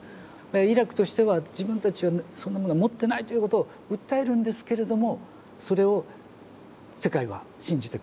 イラクとしては自分たちはそんなものは持ってないということを訴えるんですけれどもそれを世界は信じてくれなかった。